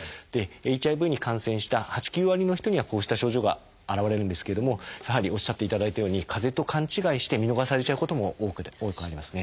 ＨＩＶに感染した８９割の人にはこうした症状が現れるんですけれどもやはりおっしゃっていただいたようにかぜと勘違いして見逃されちゃうことも多くありますね。